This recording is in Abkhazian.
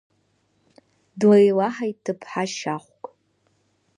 Длеилаҳаит ҭыԥҳа шьахәк.